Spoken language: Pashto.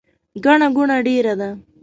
ګڼه ګوڼه ډیره ده